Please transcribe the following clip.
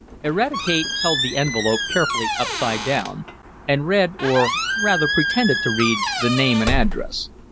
Eradicate held the envelope carefully upside down, and read or rather pretended to read the name and address.